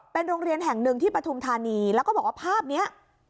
เป็นโรงเรียนแห่งหนึ่งที่ปฐุมธานีแล้วก็บอกว่าภาพนี้